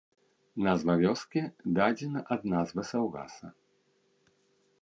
Назва вёскі дадзена ад назвы саўгаса.